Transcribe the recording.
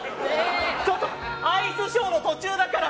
ちょっとアイスショーの途中だから！